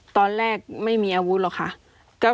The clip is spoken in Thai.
ตอนแรกไม่มีอาวุธหรอกค่ะ